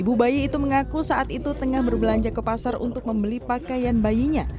ibu bayi itu mengaku saat itu tengah berbelanja ke pasar untuk membeli pakaian bayinya